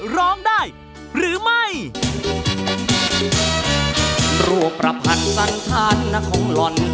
ร้องได้ให้ร้าง